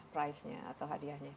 pricenya atau hadiahnya